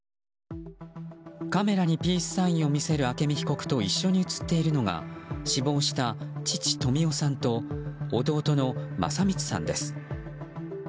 カメラにピースサインを見せる朱美被告と一緒に写っているのが死亡した父・富夫さんと弟の聖光さんです。